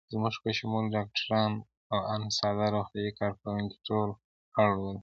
زموږ په شمول ډاکټران او آن ساده روغتیايي کارکوونکي ټول اړ ول.